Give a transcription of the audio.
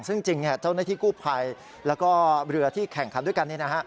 ซึ่งจริงเจ้าหน้าที่กู้ภัยแล้วก็เรือที่แข่งขันด้วยกัน